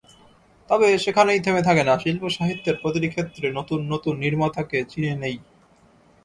তবে সেখানেই থেমে থাকে না—শিল্পসাহিত্যের প্রতিটি ক্ষেত্রে নতুন নতুন নির্মাতাকে চিনে নিই।